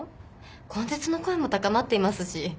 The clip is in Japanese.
根絶の声も高まっていますし。